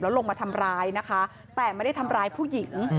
ลงมาทำร้ายนะคะแต่ไม่ได้ทำร้ายผู้หญิง